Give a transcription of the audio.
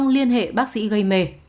liên hệ bác sĩ gây mê